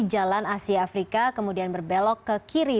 jalan asia afrika kemudian berbelok ke kiri